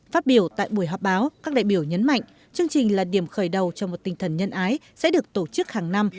phát biểu tại buổi họp báo các đại biểu nhấn mạnh chương trình là điểm khởi đầu cho một tinh thần nhân ái sẽ được tổ chức hàng năm